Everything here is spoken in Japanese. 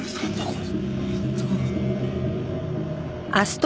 これ。